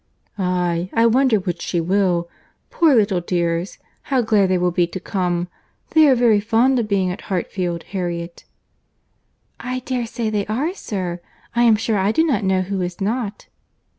"Aye, I wonder which she will. Poor little dears, how glad they will be to come. They are very fond of being at Hartfield, Harriet." "I dare say they are, sir. I am sure I do not know who is not."